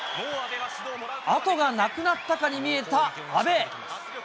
あとがなくなったかに見えた阿部。